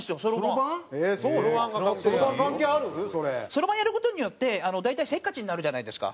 そろばんやる事によって大体せっかちになるじゃないですか。